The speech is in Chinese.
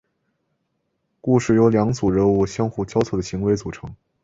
故事由两组人物互相交错的行为组成。